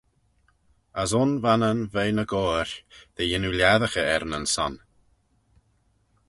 As un vannan veih ny goair, dy yannoo lhiasaghey er nyn son.